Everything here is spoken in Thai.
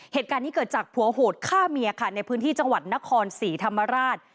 เหตุการณ์นี้เกิดจากผัวโหดฆ่าเมียค่ะในพื้นที่จังหวัดนครศรีธรรมราช